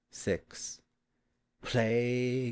Plague